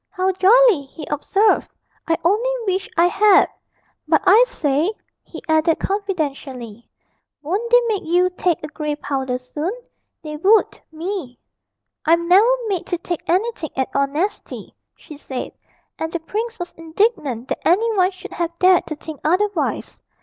'How jolly!' he observed, 'I only wish I had. But I say,' he added confidentially, 'won't they make you take a grey powder soon? They would me.' 'I'm never made to take anything at all nasty,' she said and the prince was indignant that any one should have dared to think otherwise.